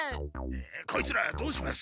こいつらどうします？